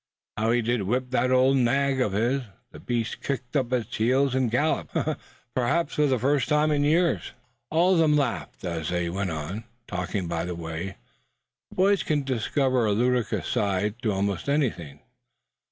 How he did whip that old nag of his. The beast kicked up his heels, and galloped, perhaps for the first time in years." All of them laughed as they went on, talking by the way. Boys can discover a ludicrous side to almost anything.